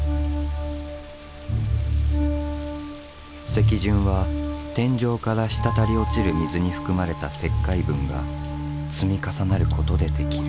石筍は天井から滴り落ちる水に含まれた石灰分が積み重なることで出来る。